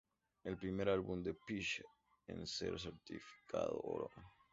Es el primer álbum de Phish en ser certificado oro.